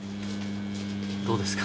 どうですか？